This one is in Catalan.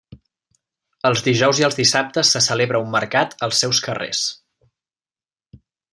Els dijous i els dissabtes se celebra un mercat als seus carrers.